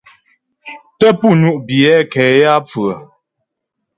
Tə́ pú ŋú' biyɛ nkɛ yaə́pfʉə́'ə.